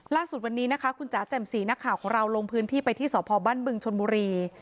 ล่าสุดวันนี้นะคะคุณจ๋าแจ่มสีนักข่าวของเราลงพื้นที่ไปที่สพบ้านบึงชนบุรี